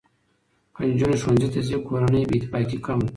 که نجونې ښوونځي ته ځي، کورنۍ بې اتفاقي کمه وي.